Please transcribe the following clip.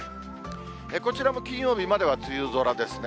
こちらも金曜日までは梅雨空ですね。